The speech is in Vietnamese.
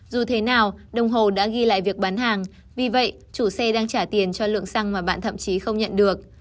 dù thế nào đồng hồ đã ghi lại việc bán hàng vì vậy chủ xe đang trả tiền cho lượng xăng mà bạn thậm chí không nhận được